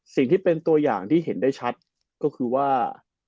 สิ่งที่เป็นตัวอย่างที่เห็นได้ชัดก็คือว่า